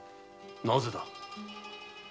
なぜだ？